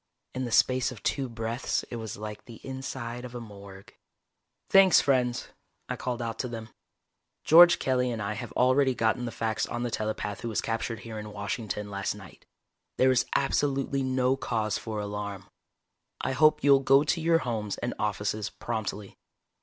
In the space of two breaths it was like the inside of a morgue. "Thanks, friends," I called out to them. "George Kelly and I have already gotten the facts on the telepath who was captured here in Washington last night. There is absolutely no cause for alarm. I hope you'll go to your homes and offices promptly.